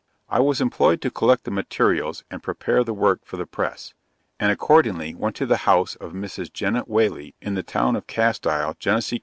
I was employed to collect the materials, and prepare the work for the press; and accordingly went to the house of Mrs. Jennet Whaley in the town of Castile, Genesee co.